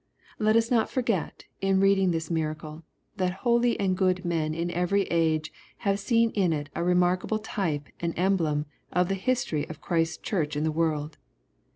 Let us not forget, in readuig this miracle, that holy and good men in every age have seen in it a remarkable type and emblem of the history of Christ's Church in the world.